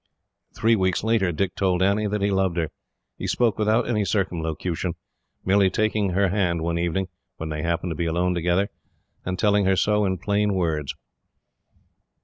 Three weeks later, Dick told Annie that he loved her. He spoke without any circumlocution, merely taking her hand one evening, when they happened to be alone together, and telling her so in plain words.